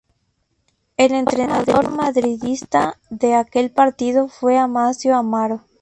El entrenador madridista de aquel partido fue Amancio Amaro.